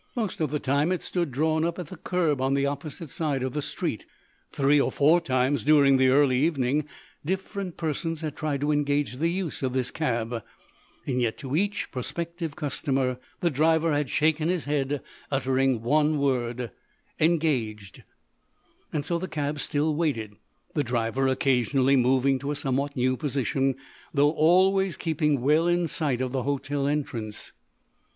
Most of the time it stood drawn up at the curb on the opposite side of the street. Three or four times, during the early evening, different persons had tried to engage the use of this cab. Yet, to each prospective customer, the driver had shaken his head, uttering the one word: "Engaged." So the cab still waited, the driver occasionally moving to a somewhat new position, though always keeping well in sight of the hotel entrance.